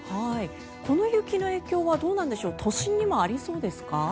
この雪の影響はどうなんでしょう都心にもありそうですか？